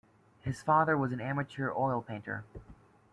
His father was an amateur oil painter.